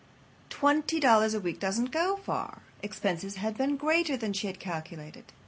Twenty dollars a week doesn't go far. Expenses had been greater than she had calculated.